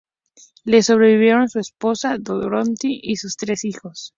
Le sobrevivieron su esposa, Dorothy, y sus tres hijos.